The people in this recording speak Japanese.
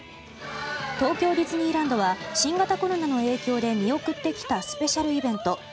東京ディズニーランドは新型コロナの影響で見送ってきたスペシャルイベント